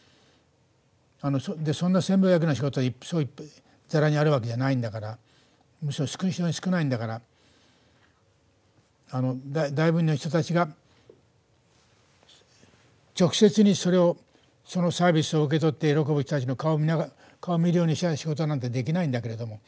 そんなせんべい焼くような仕事はざらにあるわけじゃないんだからむしろ少ないんだから大部分の人たちが直接に、それをそのサービスを受け取って喜ぶ人たちの顔を見ながら顔を見るような仕事なんてできないんだけれども。